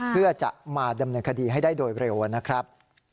เพื่อจะมาดำเนินคดีให้ได้โดยเร็วนะครับ